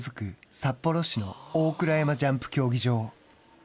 札幌市の大倉山ジャンプ競技場。